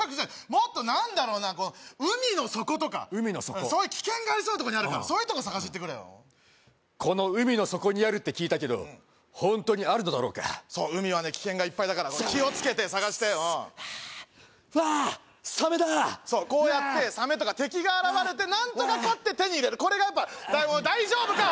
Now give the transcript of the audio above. もっと何だろうな海の底とか海の底危険がありそうなとこにあるからそういうとこ探し行ってくれよこの海の底にあるって聞いたけどホントにあるのだろうかそう海は危険がいっぱいだから気をつけて探してわーサメだそうこうやってサメとか敵が現れて何とか勝って手に入れるこれがやっぱ大丈夫か？